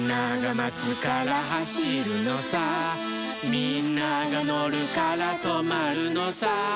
「みんながのるからとまるのさ」